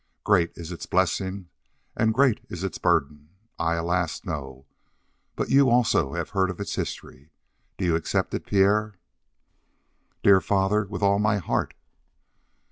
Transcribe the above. Great is its blessing and great is its burden. I, alas, know; but you also have heard of its history. Do you accept it, Pierre?" "Dear Father, with all my heart."